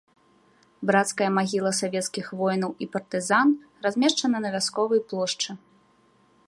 Брацкая магіла савецкіх воінаў і партызан размешчана на вясковай плошчы.